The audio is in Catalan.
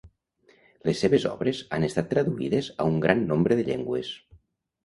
Les seves obres han estat traduïdes a un gran nombre de llengües.